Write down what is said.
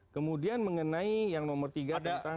kemudian mengenai yang nomor tiga tentang